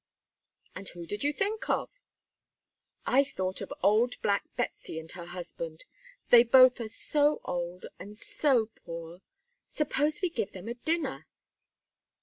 "And who did you think of?" "I thought of old black Betsey and her husband, they both are so old and so poor. Suppose we give them a dinner?"